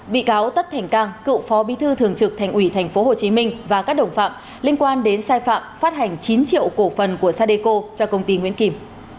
bị cáo tất thành cang cựu phó bí thư thường trực thành ủy tp hcm và các đồng phạm liên quan đến sai phạm phát hành chín triệu cổ phần của sadeco cho công ty nguyễn kim